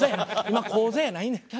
今高座やないねん。